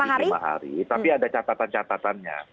tujuh puluh lima hari tapi ada catatan catatannya